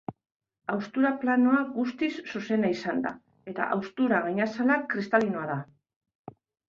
Haustura-planoa guztiz zuzena izan da, eta haustura-gainazala kristalinoa da.